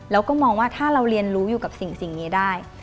แล้วก็มองว่าถ้าเราเรียนรู้อยู่กับสิ่งนี้ได้